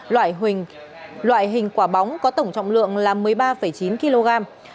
loại hình quả bóng có tổng trọng lượng là một mươi ba chín kg